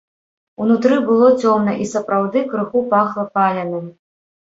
Унутры было цёмна і сапраўды крыху пахла паленым.